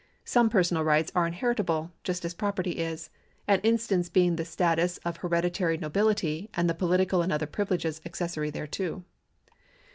Some personal rights are inherit able, just as property is, an instance being the status of hereditary nobility and the political and other privileges accessory thereto.